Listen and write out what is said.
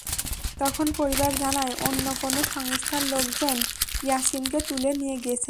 তখন পরিবার জানায়, অন্য কোনো সংস্থার লোকজন ইয়াসিনকে তুলে নিয়ে গেছেন।